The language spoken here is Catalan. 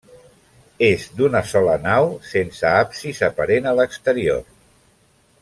És d'una sola nau, sense absis aparent a l'exterior.